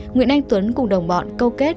nguyễn anh tuấn cùng đồng bọn câu kết